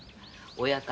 親方